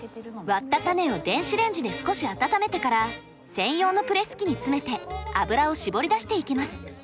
割った種を電子レンジで少し温めてから専用のプレス機に詰めて油を搾り出していきます。